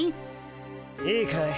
いいかい？